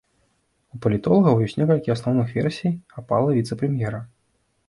У палітолагаў ёсць некалькі асноўных версій апалы віцэ-прэм'ера.